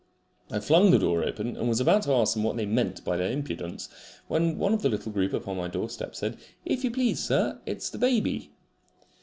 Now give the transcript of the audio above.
I flung the door open, and was about to ask them what they meant by their impudence, when one of the little group upon my doorstep said, "If you please, sir, it's the baby."